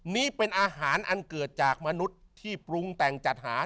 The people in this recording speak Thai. นี่เป็นอาหารอันเกิดจากมนุษย์ที่ปรุงแต่งจัดหา